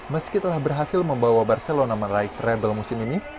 meskipun telah berhasil membawa barcelona melaihtribel musim ini